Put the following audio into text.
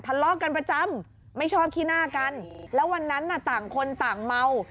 ทะเลาะกันประจำไม่ชอบขี้หน้ากันแล้ววันนั้นน่ะต่างคนต่างเมา